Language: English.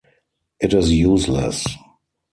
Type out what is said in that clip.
It is useless.